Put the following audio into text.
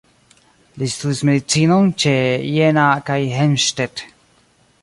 Li studis medicinon ĉe Jena kaj Helmstedt.